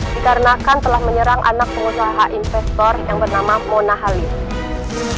dikarenakan telah menyerang anak pengusaha investor yang bernama mona halim